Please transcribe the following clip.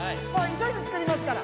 急いで作りますから。